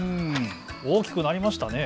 大きくなりましたね。